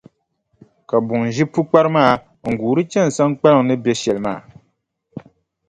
Ka buŋa ʒi pukpara maa, n-guuri chani Saŋkpaliŋ ni be shɛli maa.